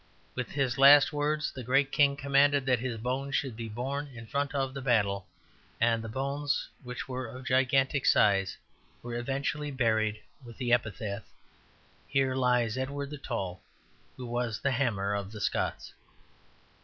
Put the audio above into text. With his last words the great king commanded that his bones should be borne in front of the battle; and the bones, which were of gigantic size, were eventually buried with the epitaph, "Here lies Edward the Tall, who was the hammer of the Scots."